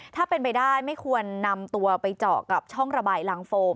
ถ้าเป็นไปได้ไม่ควรนำตัวไปเจาะกับช่องระบายรังโฟม